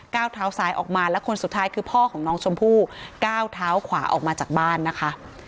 ก้าวเท้าซ้ายออกมาแล้วคนสุดท้ายคือพ่อของน้องชมพู่ก้าวเท้าขวาออกมาจากบ้านนะคะ